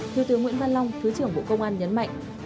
thiếu tướng nguyễn văn long thứ trưởng bộ công an nhấn mạnh